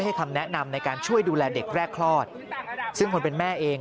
คำแนะนำในการช่วยดูแลเด็กแรกคลอดซึ่งคนเป็นแม่เอง